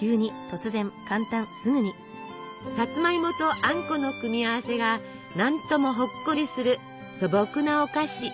さつまいもとあんこの組み合わせが何ともほっこりする素朴なお菓子。